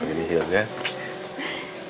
terima kasih banget pilih hilda